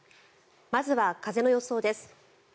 まずは風の予想です。